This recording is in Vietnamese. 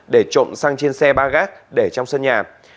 để trộm xăng trên xe ba gác để trong sân nhà